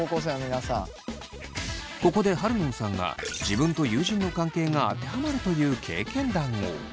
ここでハルノンさんが自分と友人の関係が当てはまるという経験談を。